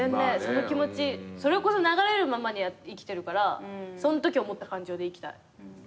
それこそ流れるままに生きてるからそんとき思った感情でいきたい。